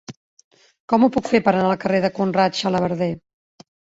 Com ho puc fer per anar al carrer de Conrad Xalabarder?